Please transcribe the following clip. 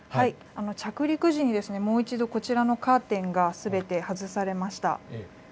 着陸時にもう一度、こちらのカーテンがすべて外されました。